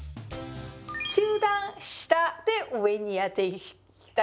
中段下で上にやっていきたいと思います。